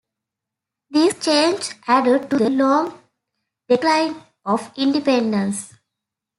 These changes added to the long decline of Independence.